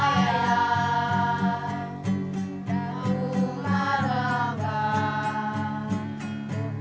bahwa mereka bisa menghargai mereka sendiri